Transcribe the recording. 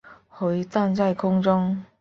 回荡在空中